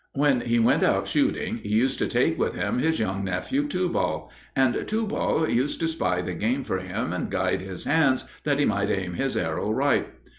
When he went out shooting, he used to take with him his young nephew Tubal; and Tubal used to spy the game for him and guide his hands that he might aim his arrow right.